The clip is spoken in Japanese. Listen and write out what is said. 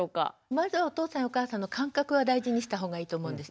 まずはお父さんやお母さんの感覚は大事にした方がいいと思うんです。